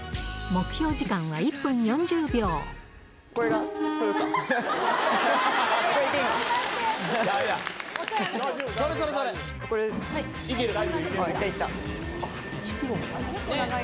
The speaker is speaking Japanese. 目標時間は１分これが、これか。